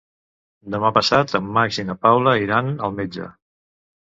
Demà passat en Max i na Paula iran al metge.